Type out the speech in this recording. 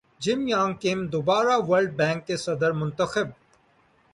جم Yong Kim دوبارہ World Bank کے صدر منتخب